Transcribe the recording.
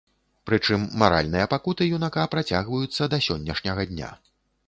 Прычым маральныя пакуты юнака працягваюцца да сённяшняга дня.